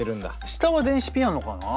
下は電子ピアノかな？